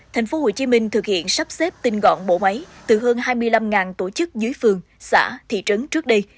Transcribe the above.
thành phố hồ chí minh thực hiện sắp xếp tinh gọn bộ máy từ hơn hai mươi năm tổ chức dưới phường xã thị trấn trước đây